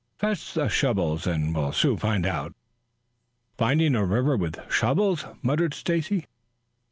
Fetch the shovels and we'll soon find out." "Finding a river with shovels!" muttered Stacy.